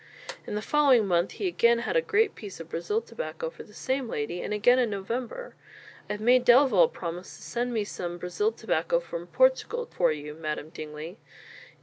In the following month he again had a great piece of Brazil tobacco for the same lady, and again in November: "I have made Delaval promise to send me some Brazil tobacco from Portugal for you, Madam Dingley."